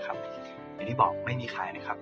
อย่างที่บอกไม่มีใครนะครับ